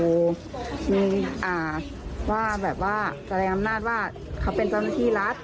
มีว่าแบบว่าแสดงอำนาจว่าเขาเป็นเจ้าหน้าที่รัฐ